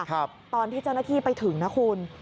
ตอนที่เจ้าหน้าที่ไปถึงนะคุณ